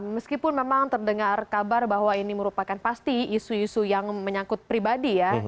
meskipun memang terdengar kabar bahwa ini merupakan pasti isu isu yang menyangkut pribadi ya